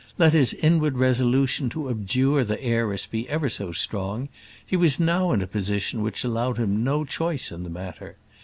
Let his inward resolution to abjure the heiress be ever so strong, he was now in a position which allowed him no choice in the matter.